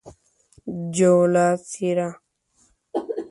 جوله : څیره